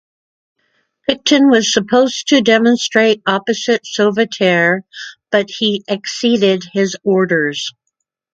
Picton was supposed to demonstrate opposite Sauveterre but he exceeded his orders.